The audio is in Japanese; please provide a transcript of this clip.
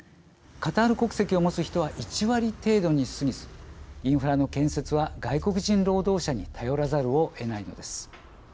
カタール国籍を持つ人は１割程度にすぎずインフラの建設は外国人労働者に頼らざるをえないのです。